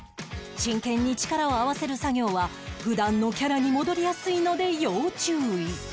真剣に力を合わせる作業は普段のキャラに戻りやすいので要注意